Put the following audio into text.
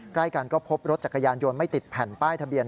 ใกล้กันก็พบรถจักรยานยนต์ไม่ติดแผ่นป้ายทะเบียน